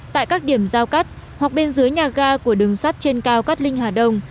tại các điểm giao cắt hoặc bên dưới nhà ga của đường sắt trên cao cát linh hà đông